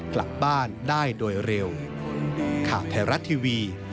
กลับบ้านได้โดยเร็ว